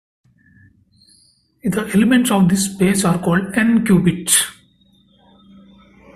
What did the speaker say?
The elements of this space are called "n"-qubits.